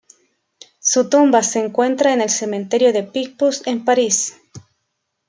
Su tumba se encuentra en el cementerio de Picpus en París.